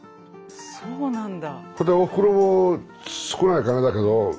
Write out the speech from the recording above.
そうなんだ。